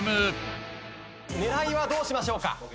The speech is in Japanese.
狙いはどうしましょうか？